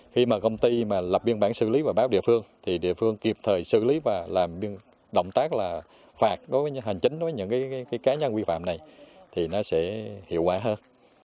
khi mà công ty mà lập biên bản xử lý và báo địa phương thì địa phương kịp thời xử lý và làm động tác là phạt hành chính với những cái cá nhân quy phạm này thì nó sẽ hiệu quả hơn